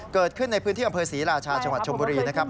เกิดขึ้นในพื้นที่อำเภอศรีราชาจังหวัดชมบุรีนะครับ